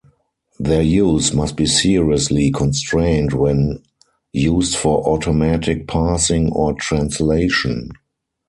Their use must be seriously constrained when used for automatic parsing or translation.